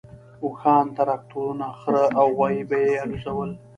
اوښان، تراکتورونه، خره او غوایي به یې الوزول.